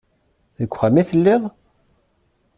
Deg uxxam i telliḍ?